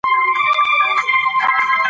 جمله بايد بشپړه وي.